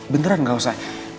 beneran gak usah